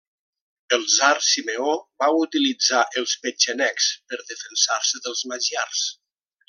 El tsar Simeó va utilitzar els petxenegs per defensar-se dels magiars.